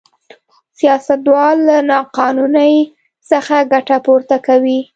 سیاستوال له نا قانونۍ څخه ګټه پورته کوي.